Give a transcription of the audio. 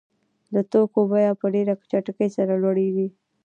د توکو بیه په ډېره چټکۍ سره لوړېږي